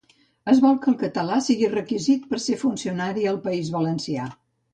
Es vol que el català sigui requisit per ser funcionari al País Valencià